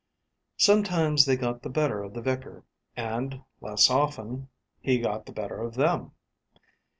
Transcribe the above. Sometimes they got the better of the vicar, and, less often, he got the better of them.